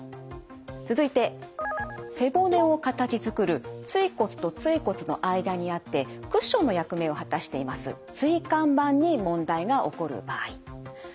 続いて背骨を形づくる椎骨と椎骨の間にあってクッションの役目を果たしています